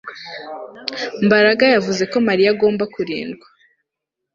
Mbaraga yavuze ko Mariya agomba kurindwa